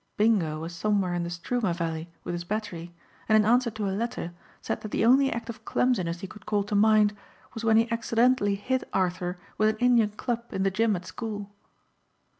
Bingo was somewhere in the Struma valley with his battery and in answer to a letter said that the only act of clumsiness he could call to mind was when he accidentally hit Arthur with an Indian club in the gym at school.